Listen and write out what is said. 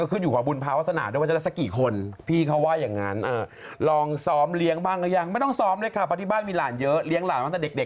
ก็ขึ้นอยู่ความบุญพาวัสนา